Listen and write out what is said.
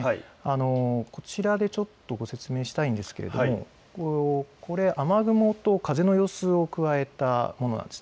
こちらでご説明したいんですけれども雨雲と風の様子を加えたものです。